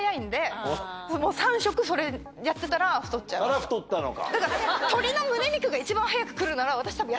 だから太ったのか。